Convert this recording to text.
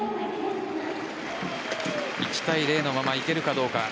１対０のままいけるかどうか。